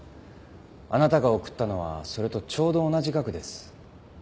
あなたが送ったのはそれとちょうど同じ額です。